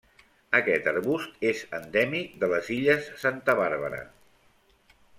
Aquest arbust és endèmic de les Illes Santa Bàrbara.